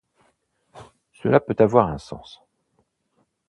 Cela peut avoir un sens.